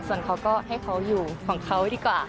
ส่วนเขาก็ให้เขาอยู่ของเขาดีกว่า